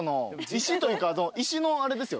石というか石のあれですよ。